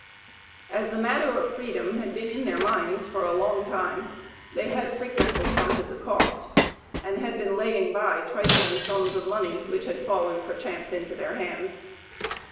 As the matter of freedom had been in their minds for a long time, they had frequently counted the cost, and had been laying by trifling sums of money which had fallen perchance into their hands.